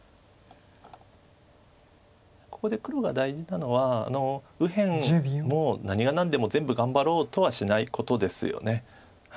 ここで黒が大事なのは右辺も何が何でも全部頑張ろうとはしないことですよね。